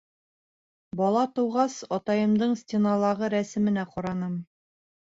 Бала тыуғас атайымдың стеналағы рәсеменә ҡараным.